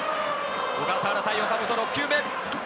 小笠原対岡本、６球目。